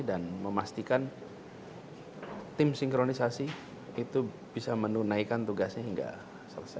dan memastikan tim sinkronisasi itu bisa menunaikan tugasnya hingga selesai